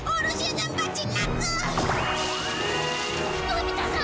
のび太さん！